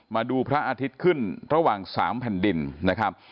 มาดูพระอาทิตย์ขึ้นระหว่าง๓แผ่นดินนะครับ